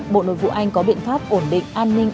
bộ nội vụ anh có biện pháp ổn định an ninh